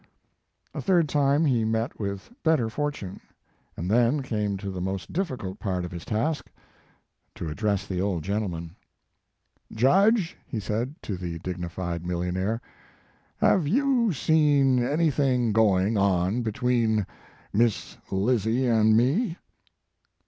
A third time be met with better fortune, and then came to the most difficult part of his task, to address the old gentleman. His Life and Work. 10$ "Judge," he said to the dignified mil lionaire, "have you seen anything going on between Miss lizzie and me